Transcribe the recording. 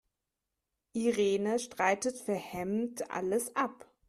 Irene streitet vehement alles ab.